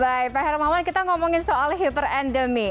baik pak hermawan kita ngomongin soal hiperendemi